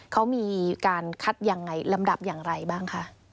เขามีการคัดยังไงลำดับอย่างไรบ้างคะ